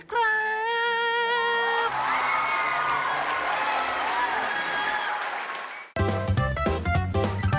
ครับ